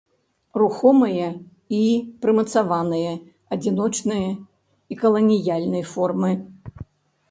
Рухомыя і прымацаваныя, адзіночныя і каланіяльныя формы.